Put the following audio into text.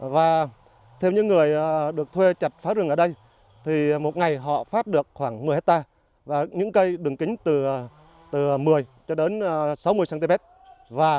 và theo những người được thuê chặt phá rừng ở đây thì một ngày họ phát được khoảng một mươi hectare và những cây đường kính từ một mươi cho đến sáu mươi cm